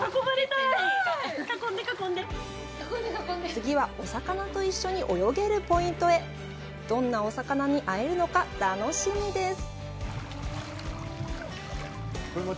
次はお魚と一緒に泳げるポイントへどんなお魚に会えるのか楽しみです